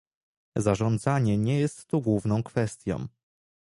Zarządzanie nie jest tu główną kwestią